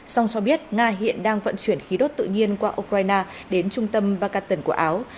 song cho biết nga hiện đang vận chuyển khí đốt tự nhiên qua ukraine đến trung tâm bakaton của áo